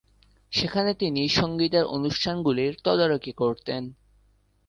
সেখানে তিনি সংগীতের অনুষ্ঠানগুলির তদারকি করতেন।